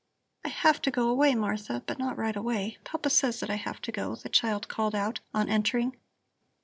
"I have to go away, Martha, but not right away. Papa says that I have to go," the child called out on entering.